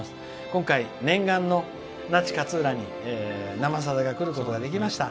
今回、念願の那智勝浦に「生さだ」がくることができました。